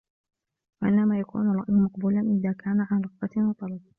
وَإِنَّمَا يَكُونُ الرَّأْيُ مَقْبُولًا إذَا كَانَ عَنْ رَغْبَةٍ وَطَلَبٍ